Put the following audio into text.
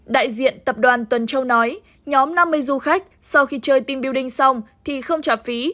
đại diện tập đoàn tuần châu nói nhóm năm mươi du khách sau khi chơi team building xong thì không trả phí